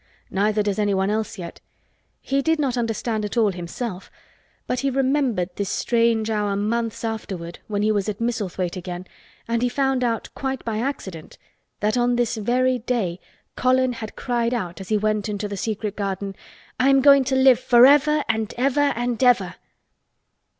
Neither does anyone else yet. He did not understand at all himself—but he remembered this strange hour months afterward when he was at Misselthwaite again and he found out quite by accident that on this very day Colin had cried out as he went into the secret garden: "I am going to live forever and ever and ever!"